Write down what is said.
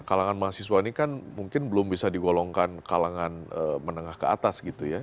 kalangan mahasiswa ini kan mungkin belum bisa digolongkan kalangan menengah ke atas gitu ya